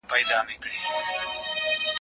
دوی چي ول کار به خلاص وي